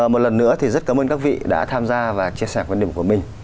một lần nữa thì rất cảm ơn các vị đã tham gia và chia sẻ quan điểm của mình